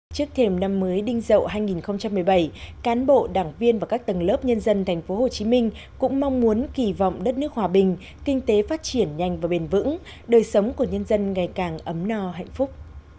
trước thềm năm mới đinh dậu hai nghìn một mươi bảy cán bộ đảng viên và các tầng lớp nhân dân tp hcm cũng mong muốn kỳ vọng đất nước hòa bình kinh tế phát triển nhanh và bền vững đời sống của nhân dân ngày càng ấm no hạnh phúc